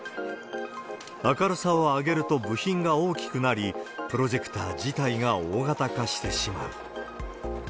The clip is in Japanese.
明るさを上げると部品が大きくなり、プロジェクター自体が大型化してしまう。